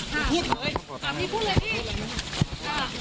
พูดเลยพี่พูดเลยดิ